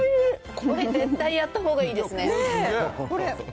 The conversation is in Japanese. これ、絶対やったほうがいいですね。